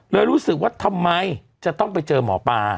รู้สึกว่าทำไมจะต้องไปเจอหมอปลา